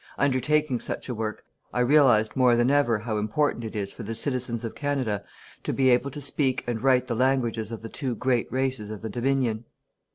Undertaking such a work, I realized more than ever how important it is for the Citizens of Canada to be able to speak and write the languages of the two great races of the Dominion.